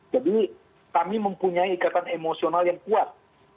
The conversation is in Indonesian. jadi kami mempunyai ikatan emosional yang kuat